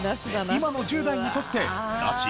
今の１０代にとってナシ？